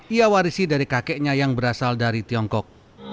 ia warisi dari kakeknya yang berasal dari tiongkok